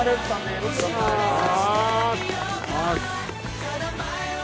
よろしくお願いします